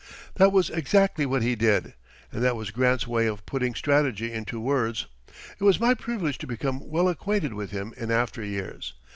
] That was exactly what he did. And that was Grant's way of putting strategy into words. It was my privilege to become well acquainted with him in after years.